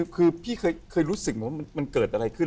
คือพี่เคยรู้สึกไหมว่ามันเกิดอะไรขึ้น